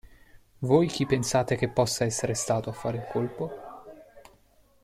Voi chi pensate che possa essere stato a fare il colpo?